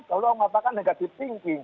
kalau mengatakan negative thinking